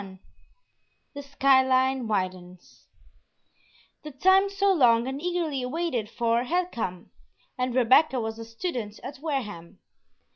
XXI THE SKY LINE WIDENS The time so long and eagerly waited for had come, and Rebecca was a student at Wareham.